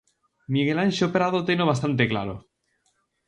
Miguelanxo Prado teno bastante claro: